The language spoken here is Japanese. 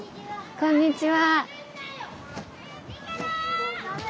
こんにちは。